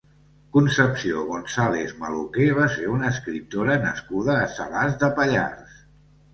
Concepció González Maluquer va ser una escriptora nascuda a Salàs de Pallars.